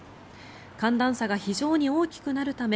寒暖差が非常に大きくなるため